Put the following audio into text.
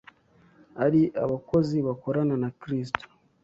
ari abakozi bakorana na Kristo